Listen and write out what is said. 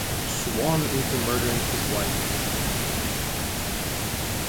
Swann into murdering his wife.